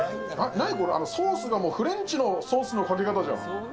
何これ、ソースがもう、フレンチのソースのかけ方じゃん。